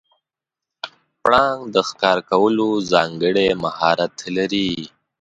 پړانګ د ښکار کولو ځانګړی مهارت لري.